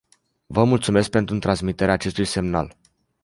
Vă mulțumesc pentru transmiterea acestui semnal.